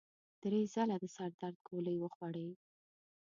درې ځله د سر د درد ګولۍ وخوړې.